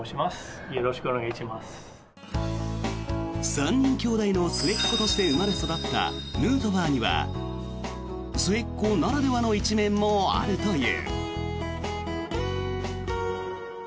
３人きょうだいの末っ子として生まれ育ったヌートバーには末っ子ならではの一面もあるという。